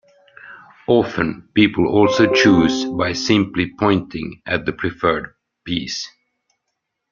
Often people also choose by simply pointing at the preferred piece.